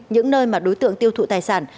những nơi mà đối tượng tiêu thụ tài sản